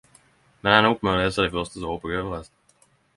Men ender opp med å lese dei første og så hopper eg over resten..